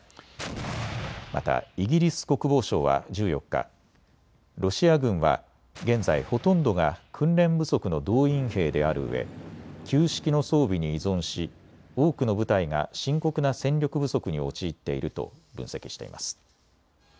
またイギリス国防省は１４日、ロシア軍は現在、ほとんどが訓練不足の動員兵であるうえ旧式の装備に依存し多くの部隊が深刻な戦力不足に陥っていると分析しています。